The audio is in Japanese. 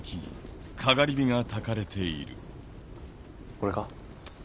これか？